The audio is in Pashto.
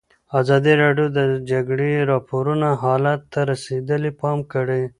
ازادي راډیو د د جګړې راپورونه حالت ته رسېدلي پام کړی.